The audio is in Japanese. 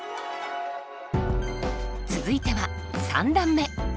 続いては三段目。